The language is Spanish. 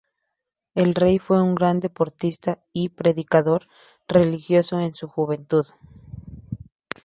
El rey fue un gran deportista y predicador religioso en su juventud.